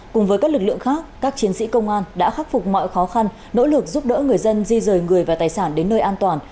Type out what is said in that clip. cùng với các lực lượng khác các chiến sĩ công an đã khắc phục mọi khó khăn nỗ lực giúp đỡ người dân di rời người và tài sản đến nơi an toàn